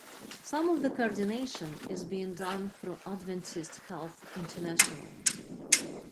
Some of the coordination is being done through Adventist Health International.